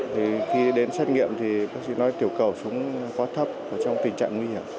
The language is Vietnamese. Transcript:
thì khi đến xét nghiệm thì có gì nói tiểu cầu sống quá thấp trong tình trạng nguy hiểm